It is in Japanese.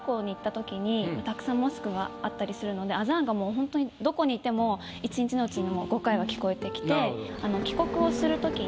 たくさんモスクがあったりするのでアザーンがもうホントにどこにいても一日のうちに５回は聞こえてきて。